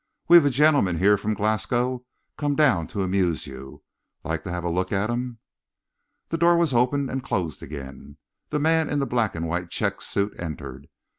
We've a gentleman here from Glasgow come down to amuse you. Like to have a look at him?" The door was opened and closed again. The man in the black and white check suit entered.